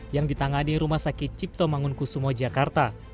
yang ditangani rumah sakit cipto mangunkusumo jakarta